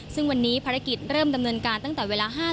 ซึ่งวันนี้ภารกิจเริ่มดำเนินการตั้งแต่เวลา๕นาที